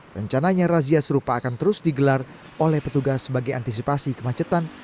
rencananya razia serupa akan terus digelar oleh petugas sebagai antisipasi kemacetan